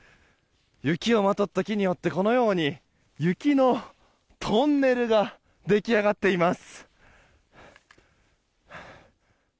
雪をまとった木によってこのように雪のトンネルが出来上がっています。